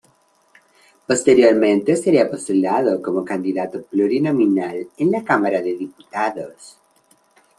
Posteriormente seria postulado como candidato plurinominal, en la Cámara de Diputados.